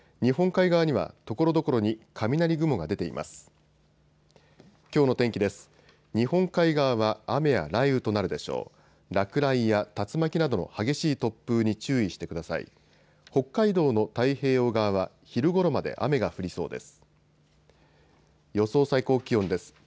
北海道の太平洋側は昼ごろまで雨が降りそうです。